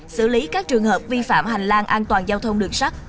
xử lý các trường hợp vi phạm hành lang an toàn giao thông đường sắt